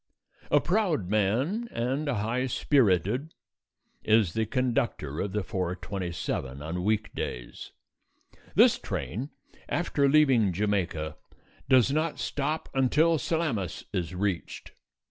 A proud man, and a high spirited, is the conductor of the 4:27 on weekdays. This train, after leaving Jamaica, does not stop until Salamis is reached.